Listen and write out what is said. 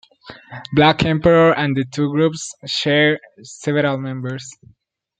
Black Emperor, and the two groups share several members.